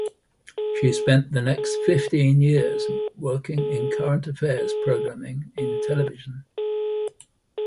She spent the next fifteen years working in current affairs programming in television.